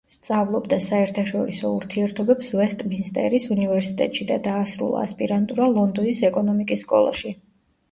სწავლობდა საერთაშორისო ურთიერთობებს ვესტმინსტერის უნივერსიტეტში და დაასრულა ასპირანტურა ლონდონის ეკონომიკის სკოლაში.